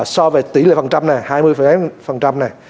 so với tỷ lệ phần trăm nè